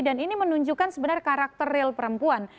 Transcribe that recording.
dan ini menunjukkan sebenarnya karakter real perempuan